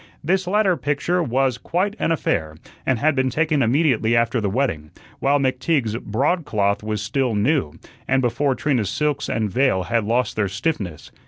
This latter picture was quite an affair, and had been taken immediately after the wedding, while McTeague's broadcloth was still new, and before Trina's silks and veil had lost their stiffness.